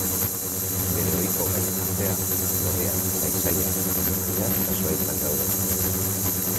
Bere ohiko gaien artean, loreak, paisaiak, animaliak eta zuhaitzak daude.